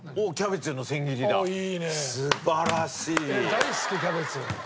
大好きキャベツ。